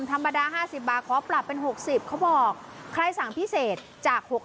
ธรรมดา๕๐บาทขอปรับเป็น๖๐เขาบอกใครสั่งพิเศษจาก๖๐